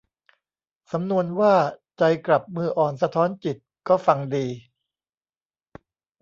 สำนวนว่าใจกลับมืออ่อนสะท้อนจิต ก็ฟังดี